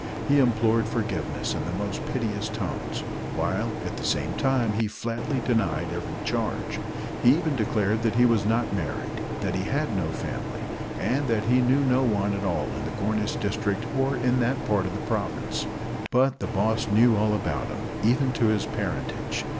He implored forgiveness in the most piteous tones, while at the same time he flatly denied every charge. He even declared he was not married, that he had no family, and that he knew no one at all in the Gornish district or that part of the province. But the boss knew all about him, even to his parentage.